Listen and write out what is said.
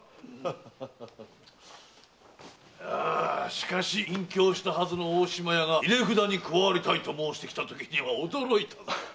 しかし隠居したはずの大島屋が入札に加わりたいと申してきたときには驚いたぞ。